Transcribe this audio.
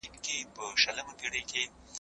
حجرې د بستر او بالښتونو سره تماس لري.